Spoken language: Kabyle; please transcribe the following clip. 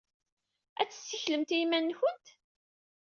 Ad tessiklemt i yiman-nwent?